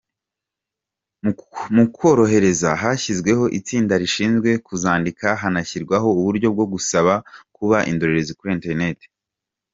Mu kuzorohereza hashyizweho itsinda rishinzwe kuzandika, hanashyirwaho uburyo bwo gusaba kuba indorerezi kuri interineti.